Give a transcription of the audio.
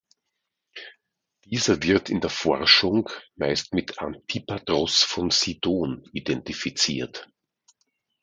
Dieser wird in der Forschung meist mit Antipatros von Sidon identifiziert.